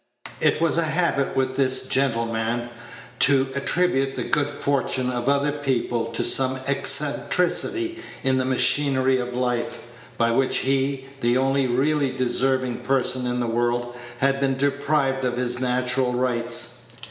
It was a habit with this gentleman to attribute the good fortune of other people to some eccentricity in the machinery of life, by which he, the only really deserving person in the world, had been deprived of his natural rights.